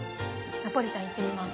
ナポリタンいってみます。